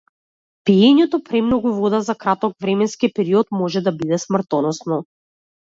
Пиењето премногу вода за краток временски период може да биде смртоносно.